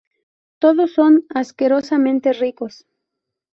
todos son asquerosamente ricos